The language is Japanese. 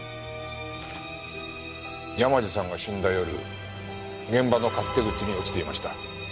山路さんが死んだ夜現場の勝手口に落ちていました。